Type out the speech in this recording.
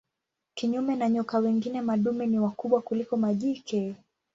Kinyume na nyoka wengine madume ni wakubwa kuliko majike.